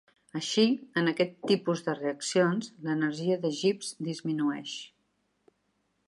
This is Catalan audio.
Així, en aquest tipus de reaccions, l'Energia de Gibbs disminueix.